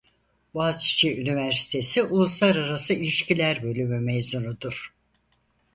Boğaziçi Üniversitesi Uluslararası İlişkiler bölümü mezunudur.